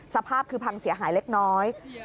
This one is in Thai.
สภาพคือพังเสียหายเล็กน้อย